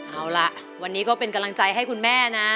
เอาล่ะวันนี้ก็เป็นกำลังใจให้คุณแม่นะ